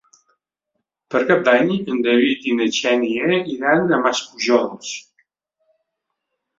Per Cap d'Any en David i na Xènia iran a Maspujols.